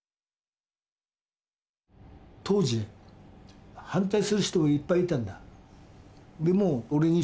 当時反対する人もいっぱいいたんだ。